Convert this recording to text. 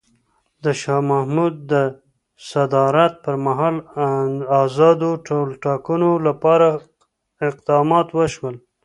د شاه محمود د صدارت پر مهال ازادو ټولټاکنو لپاره اقدامات وشول.